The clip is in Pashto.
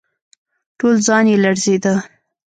ټول ځان يې لړزېده.